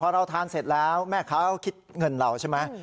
พอเราทานเสร็จแล้วแม่ค้าคิดเงินเราใช่ไหม